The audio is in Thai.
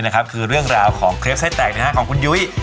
ใช่นะค่ะนี่นะคือเรื่องราวของเกร็พไส้แตกของคุณยุ้ย